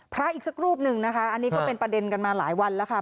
พระอีกสักรูปหนึ่งนะคะอันนี้ก็เป็นประเด็นกันมาหลายวันแล้วค่ะ